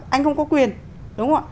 anh không có quyền đúng không ạ